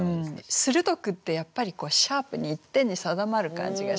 「鋭く」ってやっぱりシャープに一点に定まる感じがしませんか？